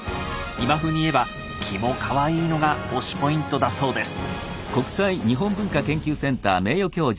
今風に言えばキモカワイイのが推しポイントだそうです。